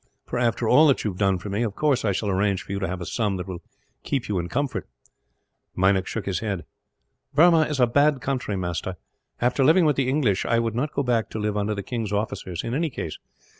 For, after all that you have done for me, of course I shall arrange for you to have a sum that will keep you in comfort." Meinik shook his head. "Burma is a bad country, master. After living with the English, I would not go back to live under the king's officers, in any case.